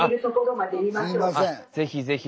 是非是非。